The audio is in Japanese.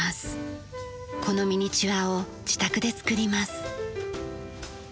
このミニチュアを自宅で作ります。